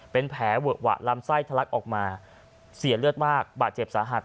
เป็นแผลเวอะหวะลำไส้ทะลักออกมาเสียเลือดมากบาดเจ็บสาหัส